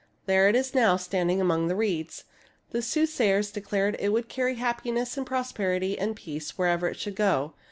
There it is now, standing among the reeds. The soothsayers de clared that it would carry happiness and pros perity and peace wherever it should go.